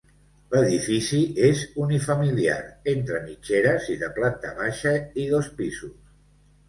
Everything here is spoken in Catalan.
L'edifici és unifamiliar, entre mitgeres i de planta baixa i dos pisos.